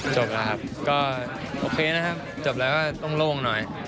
จบแล้วครับก็โอเคนะครับจบแล้วก็ต้องโล่งหน่อย